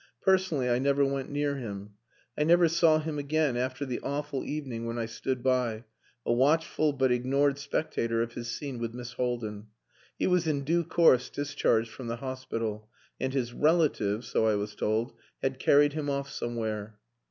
Personally, I never went near him: I never saw him again, after the awful evening when I stood by, a watchful but ignored spectator of his scene with Miss Haldin. He was in due course discharged from the hospital, and his "relative" so I was told had carried him off somewhere.